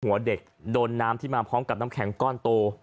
หัวเด็กโดนน้ำที่มาพร้อมกับน้ำแข็งก้อนโต